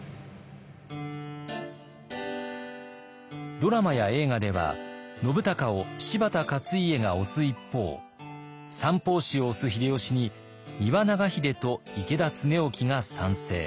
ドラマや映画では信孝を柴田勝家が推す一方三法師を推す秀吉に丹羽長秀と池田恒興が賛成。